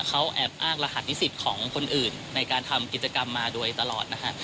เขาแอบอ้างรหัสนิสิตของคนอื่นในการทำกิจกรรมมาโดยตลอดนะฮะ